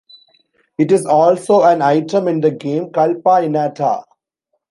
It is also an item in the game Culpa Innata.